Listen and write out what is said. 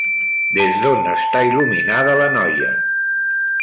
Des d'on està il·luminada la noia?